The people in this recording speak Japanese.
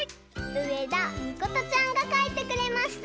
うえだみことちゃんがかいてくれました！